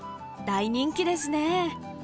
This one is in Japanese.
大人気ですね。